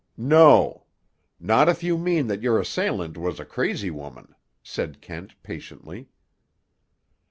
"No. Not if you mean that your assailant was a crazy woman," said Kent patiently.